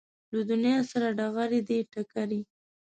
له دنیا سره ډغرې دي ټکرې